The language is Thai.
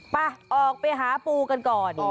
ไปออกไปหาปูกันก่อน